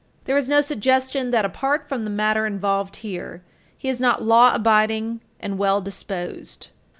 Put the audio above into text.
There is no suggestion that, apart from the matter involved here, he is not law abiding and well disposed.